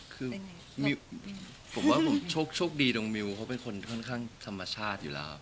คือผมว่าผมโชคดีตรงมิวเขาเป็นคนค่อนข้างธรรมชาติอยู่แล้ว